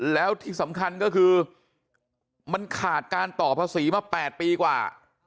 แล้วที่สำคัญก็คือมันขาดการต่อภาษีมา๘ปีกว่า